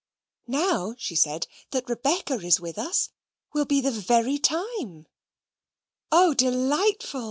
"Now," she said, "that Rebecca is with us, will be the very time." "O, delightful!"